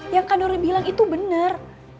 yang kak nur bilang itu bener